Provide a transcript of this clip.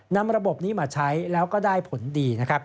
นำระบบนี้มาใช้แล้วก็ได้ผลดี